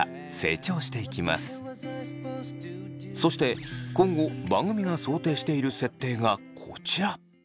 そして今後番組が想定している設定がこちら。